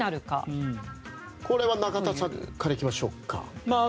これは中田さんからいきましょう。